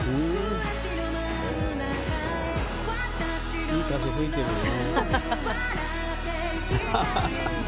いい風吹いてるね。